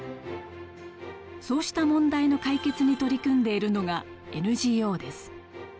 そうした問題の解決に取り組んでいるのがＮＧＯです。